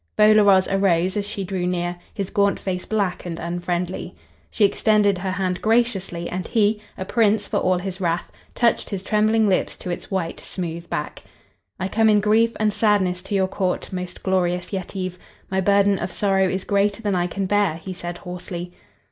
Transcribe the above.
Bolaroz arose as she drew near, his gaunt face black and unfriendly. She extended her hand graciously, and he, a prince for all his wrath, touched his trembling lips to its white, smooth back. "I come in grief and sadness to your Court, most glorious Yetive. My burden of sorrow is greater than I can bear," he said, hoarsely.